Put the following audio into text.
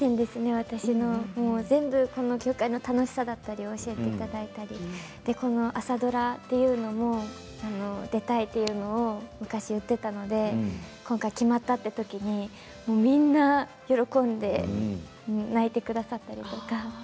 私の全部この業界の楽しさだったりを教えていただいてこの朝ドラというのも出たいというのを昔、言っていたので今回決まったという時にみんな喜んで泣いてくださったりとか。